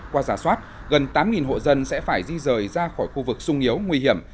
qua giả soát gần tám hộ dân sẽ phải di rời ra khỏi khu vực sung yếu nguy hiểm